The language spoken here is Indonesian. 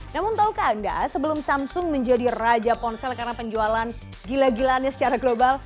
namun tahukah anda sebelum samsung menjadi raja ponsel karena penjualan gila gilaannya secara global